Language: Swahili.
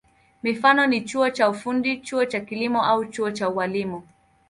Mifano ni chuo cha ufundi, chuo cha kilimo au chuo cha ualimu.